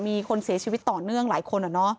มีคนเสียชีวิตต่อเนื่องหลายคนเหรอเนอะ